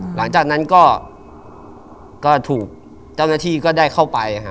หลังจากนั้นก็ถูกเจ้าหน้าที่ก็ได้เข้าไป